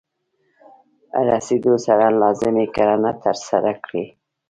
رسیدو سره سم لازمې کړنې ترسره کړئ.